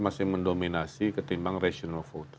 masih mendominasi ketimbang rational voters